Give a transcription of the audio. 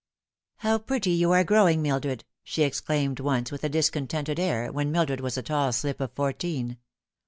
''How pretty you are growing, Mildred!" she exclaimed once, with a discontented air, when Mildred was a tail slip of four teen.